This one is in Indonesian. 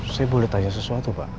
saya boleh tanya sesuatu pak